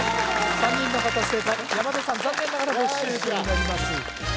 ３人の方正解山田さん残念ながらボッシュートになります